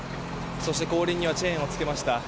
そして後輪にはチェーンをつけました。